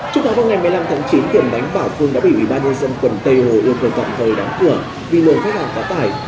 trước đó vào ngày một mươi năm tháng chín tiệm bánh bảo phương đã bị ủy ban nhân dân quận tây hồ yêu cầu tạm thời đóng cửa vì lỗi khách hàng quá tải